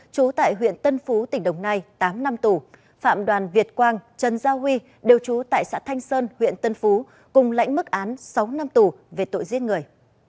chú tại huyện tân phú tỉnh đồng nai tám năm tù phạm đoàn việt quang trần giao huy đều trú tại xã thanh sơn huyện tân phú cùng lãnh mức án sáu năm tù về tội giết người